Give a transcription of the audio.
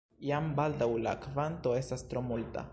Jam baldaŭ la kvanto estas tro multa.